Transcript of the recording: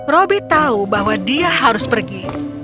roby tahu bahwa dia harus pergi